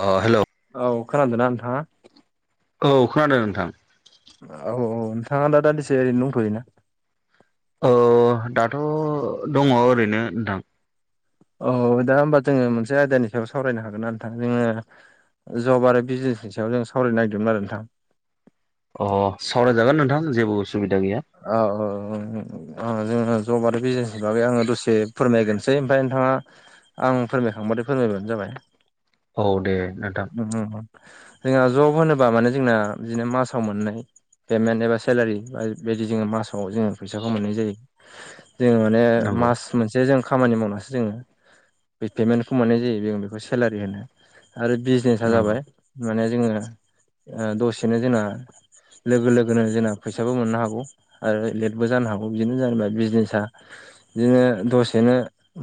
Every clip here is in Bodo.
अ हेल' औ खोनादोंना नोंथांआ? औ खोनादों नोंथां। औ औ नोंथाङा दादिसे ओरैनो दथ'योना? औ दाथ' दङ ओरैनो नोंथां। औ दा होमबा जोङो मोनसे आयदानि सायाव सावरायनो हागोन नोंथा जोंङो? जब आरो बिजनेसनि सायाव जों सावरायनो नागिरदोंमोन आरो नोंथां। अ सावरायजागोन नोंथां जेबो उसुबिदा गैया। औ औ जोंङो जब आरो बिजनेसनि बागै आंङो दसे फोरमायग्रोसै ओमफ्राय नोंथाङा आं फोरमायखांबथाय फोरमायबानो जाबाय। औ दे नोंथां। जोंहा जब होनोब्ला माने जोंना बिदिनो मासाव मोननाय पेमेन्ट एबा सेलारि बिदि जोङो मासाव जोङो फैसाखौ मोननाय जायो जोङो। माने नंगौ मास मोनसे जों खामानि मावनासो जोङो बे पेमेन्टखौ मोननाय जायो जों बेखौ सेलारि होनो आरो बिजनेसा नंगौ जाबाय माने जोङो दसेनो जोंना लोगो लोगोनो जोंना फैसाबो मोननो हागौ। आरो लेटबो जानो हागौ बिदिनो जेनेबा बिजनेसा बिदिनो दसेनो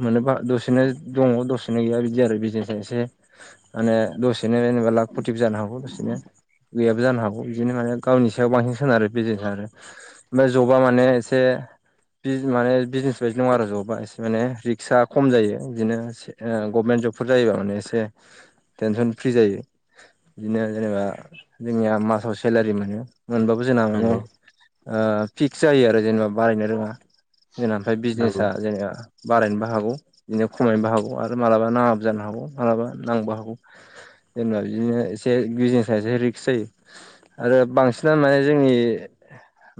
मोनोबा दसेनो दङ दसेनो गैया बिदि आरो बिजनेस एसे माने दसेनो जेनेबा लाख फटिभ जानो हागौ दसेनो गैयाबो जानो हागौ बिदिनो माने गावनि सायाव बांसि। न सोनारो बिजनेसा आरो ओमफ्राय जबा माने एसे बिज माने बिजनेस बायदि दङ आरो ज'बा एसे माने रिक्सा खम जायो बिदिनो गभनमेन्ट जबफोर जायोबा माने एसे टेनसन फ्रि जायो बिदिनो जेनेबा जोंनिया मासाव सेलारि मोनो। मोनबाबो जोंना माने नंगौ फिक्स जायो आरो जेनेबा बारायनो रोङा जों ओमफ्राय नंगौ बिजनेसा जेनेबा बारायनोबो हागौ बिदिनो खमायनोबो हागौ आरो मालाबा नाङाबो जानो हागौ मालाबा नांबो हागौ। जेनेबा बिदिनो एसे बिजनेसा एसे रिक्स जायो। आरो बांसिन माने जोंनि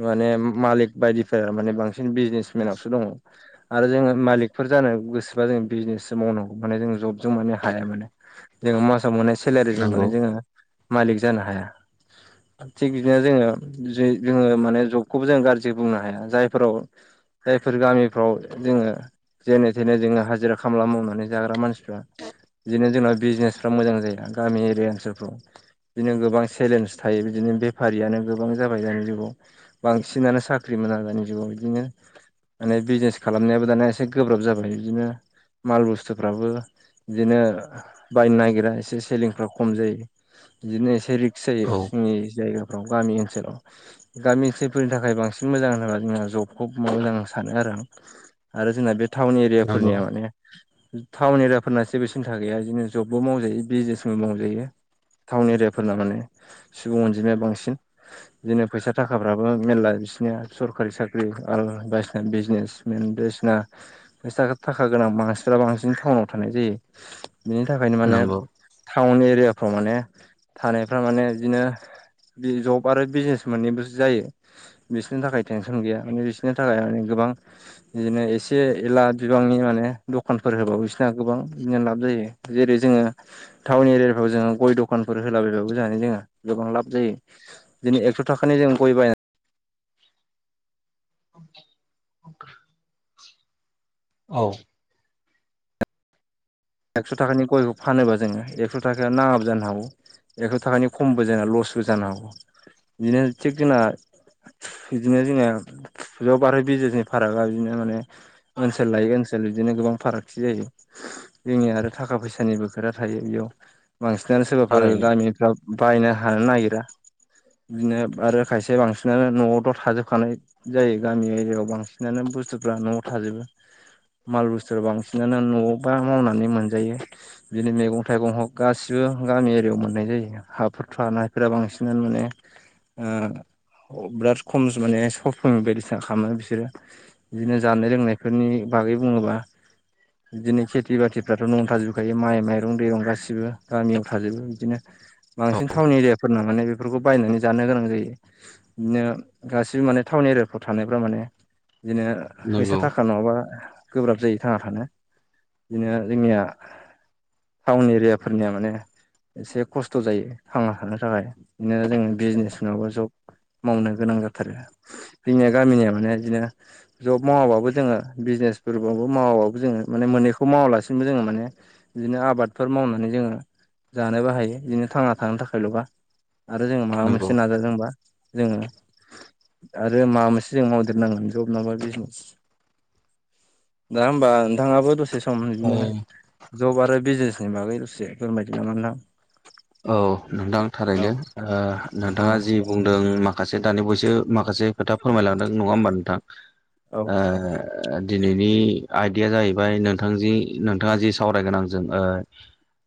माने मालिक बायदिफोरा माने बांसिन बिजनेसमेनावसो दङ। आरो जोङो मालिकफोर जानो गोसोबा जो बिजनेससो मावनांगौ माने जों जबजों माने हाया मानोे जोङो मासाव मोननाय सेलारिजों नंगौ मोननाय जोङो मालिक जानो हाया। थिग बिदिनो जोङो ज जोङो माने जबखौबो जों गाज्रि बुंनो हाया जायफोराव जायफोर गामिफ्राव जोङो जेने थेने जोङो हाजिरा खामला मावनानै जाग्रा मानसिफ्रा बिदिनो जोंना बिजनेसफ्रा मोजां जाया गामि एरिया ओनसोलफ्राव बिदिनो गोबां चेलेन्स थायो बिदिनो बेफारियानो गोबां जाबाय दानि जुगाव बांसिनानो साख्रि मोनागानि जुगाव बिदिनो माने बिजनेस खालामनायाबो दाना एसे गोब्राब जाबाय बिदिनो माल बुस्थुफ्राबो बिदिनो बायनो नागिरा एसे सलिंफ्रा खम जायो बिदिनो एसे रिक्स जायो औ जोंनि जायगायाव गामि ओनसोलाव गामि ओनसोलफोरनि थाखाय बांसिन मोजां होनोबा जों जबखौ आ सानो आरो आं- आरो जोंना बे टाउन नंगौ एरियाफोरनिया माने टाउन एरिया फोरना जेबो सिन्था गैया जनो जबबो मावजायो बिजनेसबो मावजायो टाउन एरियाफोरना माने सुबुं अनजिमाया बांसिन बिदिनो फैसा थाखाफ्राबो मेरला बिसिनिया सरखारि साख्रि आ बायसिना बिजनेस मेन बायदिसिनासा थाखा गोनां मानसिफ्रा बांसिन टाउनाव थानाय जायो बेनिनो ओंखायनो माने नंगौ टाउन एरियाफ्राव माने थानायफ्रा माने बिदिनो बे जब आरो बिजनेस मोननैबोसो जायो। बिसोरनि थाखाय टेनसन गैया माने बिसोरनि थाखाय माने गोबां बिदिनो एसे एला बिबांनि माने दखानफोर होबावो बिसोरना गोबां बिदिनो लाब जायो। जेरै जोङो टाउन एरियाफ्राव जोङो गय दखानफोर होलाबायबाबो जानानै जोङो गोबां लाब जायो। दिदि एकस' थाखानि जों गय बायनानै अफोर औ एकस' थाखानि गयखौ फानोबा जोङो एकस' थाखा नाङाब जानो हागौ। एकस' थाखानि खमबो जाया लसबो जानो हागौ बिदिनो थिग जोंना बिदिनो जोङो फुजयाव बारहो बिजेसनि फारागा बिदिनो माने ओनसोल लायो ओनसोल बिदिनो गोबां फारागथि जायो जोंनिया आरो थाखा फैसानि बो खोरा थायो बेयाव बांसिनानो सोरबाफोर थारैनो गामिफ्राव बायनो हानो नागिरा बिदिनो आरो खायसे बांसिनानो न'आवथ' थाजोबखानाय जायो गामि एरियायाव बांसिनानो बुस्थुफ्रा न'आव थाजोबो माल बुस्थु बांसिनानो न'आवबा मावनानै मोनजायो बिदिनो मैगं थाइगं हग गासिबो गामि एरियायाव मोननाय जायो हाफोरथ' हानायफोरा बांसिनानो माने बिराद खम माने सफिं बायदिसिना खालामो बिसोरो बिदिनो जानाय लोंनायफोरनि बागै बुङोबा बिदिनो खेथि बाथि फ्राथ' न'आव थाजोबखायो माइ माइरं दैरं गासिबो गामियाव थाजोबो बिदिनो औ बांसिन थावनि एरियाफोरना माने बेफोरखौ बायनानै जानो गोनां जायो बिदिनो गासिबो माने टाउन एरियाफ्राव थानायफ्रा माने बिदिनो फैसा नंगौ थाखा नङाबा गोब्राब जायै थाङा थानो बिदिनो जोंनिया टाउन एरियाफोरनिया माने एसे खस्थ' जायो थांना थानो थाखाय बिदिा जोङो बिजनेस मोनावा जब मावनो गोनां जाथारो जोंनिया गामिनिया माने बिदिनो जब मावाबाबो जोङो बिजनेसफोरबबो मावाबाबो जोङो माने मोननैखौ मावालासेनो गमबो जोङो माने बिदिनो आबादफोर मावनानै जोङो जानोबो हायो बिदिनो थांना थानो थाखायल'बा आरो जोङो माबा नंगौ मोनसे नाजादोंबा जोङो आरो माबा मोनसे जों मावदेरनांगोन जब नाबा बिजनेस दा होमबा नोंथाङाबो दसे सम औ बिदिनो जब आरो बिजनेसनि बागै दसे फोरबायदिनो नोंथां औ नोंथां औ थारैनो औ नोंथाङा जि बुंदों माखासे दानि बयसो माखासे खोथा फोरमायलांदों नङा होमबा नोंथां औ ओ ओ दिनैनि आयदाया जाहैबाय नोंथां जि नोंथाङा जि सावरायगोन आंजों ओ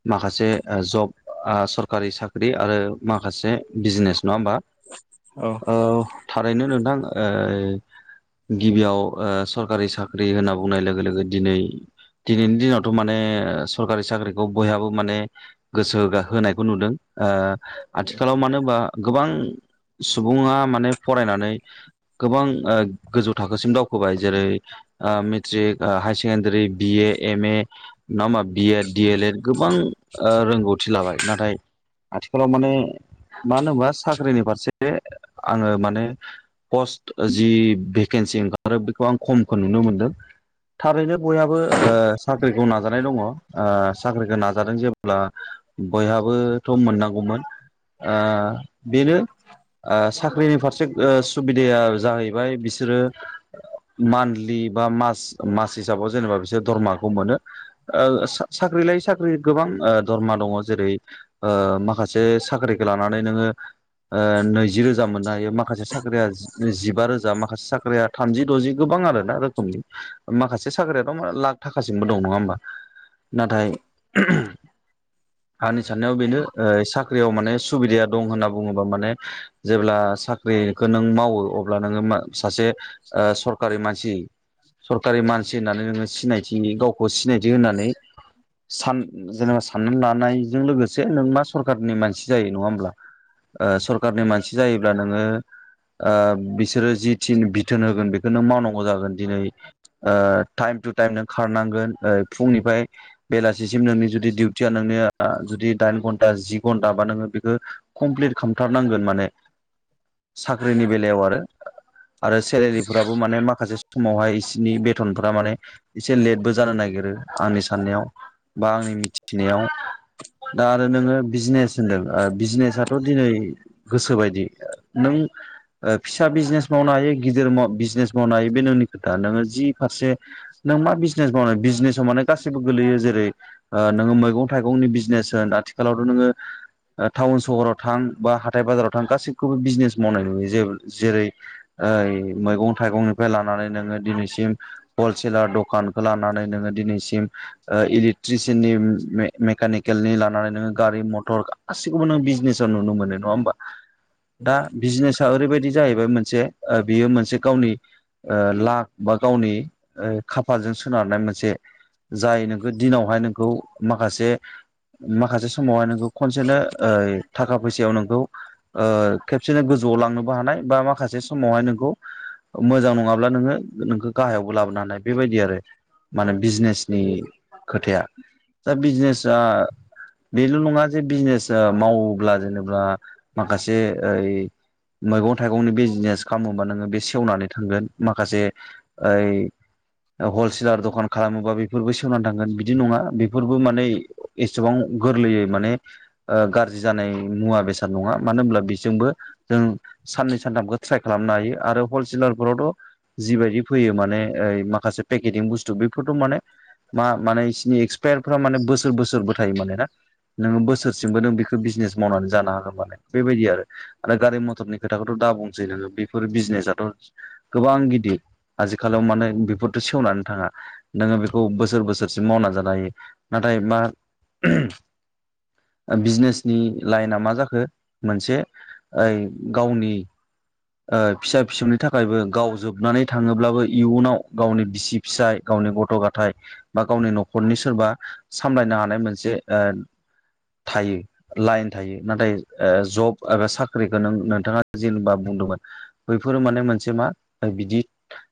माखासे जब आ सरकारि साख्रि आरो माखासे बिजनेस नङा होमबा औ थारैनो नोंथां ओ गिबियाव सरकारि साख्रि होनना बुंनाय लोगो लोगो दिनै दिनैनि दिनावथ' माने सरकारि साख्रिखौ बयहाबो माने गोसो होनायखौ नुदों आथिखालाव मानो होनबा गोबां सुबुङा माने फरायनानै गोबां गोजौ थाखोसिम दावखोबाय जेरै मेट्रिक हाय secondary B A M A नङा होमा बि एड दिए लेएड गोबां रोंगौथि लाबाय नाथाय आथिखालाव माने मानो होनोबा साख्रिनि फारसे आङो माने पस्ट जि भेकेन्सि ओंखारो बेखौ आं खमखौ नुनो मोनदों थारैनो बयाबो साख्रिखौ नाजानाय दङ साख्रिखौ नाजादों जेब्ला बयहाबोथ' मोननांगौमोन बेनो आ साख्रिनि फारसे सुबिदाया जाहैबाय बिसोरो मान्थलि बा मास-मास हिसाबाव जेनेबा बि धर्माखौ मोनो साख्रि लायै साख्रि गोबां दर्मा दङ जेरै माखासे साख्रिखौ लानानै नोङो नैजि रोजा मोननो हायो माखासे साख्रिया जिबा रोजा माखासे साख्रिया थामजि द'जि गोबां आर ना रोखोमनि माखासे साख्रियाथ' लाख थाखासिमबो दं नङा होमबा नाथाय आंनि साननायाव बेनो साख्रियाव माने सुबिदाया दं होनना बुङोबा माने जेब्ला साख्रिखौ नों मावो अब्ला नोङो सासे ओ सरकारि मानसि सरकारि मानसि होननानै नोङो सिनायथिनि गावखौ सिनायथि होननानै सान जेनबा साननानै लानायजों लोगोसे नों मा सरखारनि मानसि जायो नङा होमब्ला। ओ सरकारनि मानसि जायोब्ला नोङो ओ बिसोरो जि थिन बिथोन होगोन बेखौनो मावनांगौ जागोन दिनै। ओ टाइम टु टाइम नों खारनांगोन ओ फुंनिफ्राय बेलासिम नोंनि जुदि डिउटिया नोंनिया ओ जुदि दाइन घन्टा जि घन्टा बा नोङो बेखौ कमप्लिट खालामथारनांगोन माने। साख्रिनि बेलायाव आरो आरो सेलेरिफोराबो माने माखासे समावहाय बिसिनि बेथनफोरा माने एसे लेटबो जानो नागिरो आंनि साननायाव। बा आंनि मिथिनायाव दा आरो नोङो बिजनेस होनदों ओ बिजनेसाथ' दिनै गोसो बायदि नों ओ फिसा बिजनेस मावनो हायो गिदिर बिजनेस मावनो हायो बे नोंनि खोथा नोङो जि फारसे नों मा बिजनेस मावनो बिजनेसाव माने गासिबो गोलैयो जेरै ओ नोङो मैगं थाइगंनि बिजनेस होन आथिखालावथ' नोङो ओ टाउन सहराव थां बा हाथाय बाजाराव थां गासैखौबो बिजनेस मावनाय नुयो जे जेरै ओइ मैगं थाइगंनिफ्राय लानानै नोङो दिनैसि म हलसेलार दखानखौ लानानै नोङो दिनैसिम ओ इलेट्रिसिनिम मेकानिक नि लानानै नोङो गारि मथर गासिखौबो नों बिजनेसाव नुनो मोनो नङा होमबा। दा बिजनेसा ओरैबायदि जाहैबाय मोनसे बियो मोनसे गावनि ओ लाख बा गावनि ओ खाफाजों सोनारनाय मोनसे जाय नोंखौ दिनावहाय नोंखौ माखासे माखासे समावहाय नोंखौ खनसेनो ओय थाखा फैसायाव नोंखौ ओ खेबसेनो गोजौआव लांनोबो हानाय बा माखासे समावहाय नोंखौ मोजां नङाब्ला नोङो नोंखौ गाहायावबो लाबोनो हानाय बेबायदि आरो। माने बिजनेसनि खोथाया दा बिजनेसा बेल' नङा जे बिजनेसा मावोब्ला जेनेबा माखासे ओइ मैगं थाइगंनि बिजिनेस खालामोबा नोङो बे सेवनानै थांगोन माखासे ओइ हलसेलार दखान खालामोबा बे बेफोरबो सेवनानै थांगोन बिदि नङा बेफोरबो माने एसेबां गोरलैयै माने ओ गाज्रि जानाय मुवा बेसाद नङा मानो होनब्ला बेजोंबो जों साननै सानथाम बेखौ ट्राइ खालामनो हायो आरो हलसेलार फोरावथ' जिबायदि फैयो माने ओइ माखासे पेकेटिं बुस्थु बेफोरथ' माने मा माने बिसोरनि एक्सपायारफ्रा माने बोसोर बोसोरबो थायो माने ना नोङो बोसोर दासिमबो नों बेखौ बिजनेस मावनानै जानो हागोन मालाय बेबायदि आरो गारि मथरनि खोथाखौथ' द बुंसै नोङो बेफोर बिजनेसाथ' गोबां गिदिर आजिखालाव मानोे बेफोरथ सेवनानै थाङा। नोङो बेखौ बोसोर बोसोरसिम मावना जानो हायो नाथाय मा ओ बिजनेसनि लाइना मा जाखो मोनसे ओइ गावनि ओ फिसा फिसौनि थाखायबो गाव जोबनानै थाङोब्लाबो इयुनाव गावनि बिसि फिसाय गावनि गथ' गथाय बा गावनि न'खरनि सोरबा सामलायनो हा नाय मोनसे ओ थायो। लाइन थायो नाथाय ओ जब एबा साख्रिखौ नों नोंथाङा जेनेबा बुंदोंमोन बैफोरो माने मोनसे मा बिदि